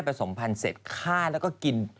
สมพันธ์เสร็จฆ่าแล้วก็กิน